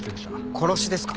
殺しですか？